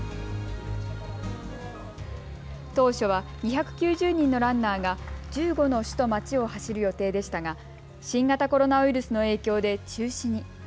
当初は２９０人のランナーが１５の市と町を走る予定でしたが、新型コロナウイルスの影響で中止に。